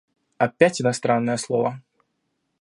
Опять иностранное слово!